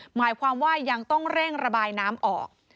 หมายความว่ายังต้องเร่งระบายน้ำออก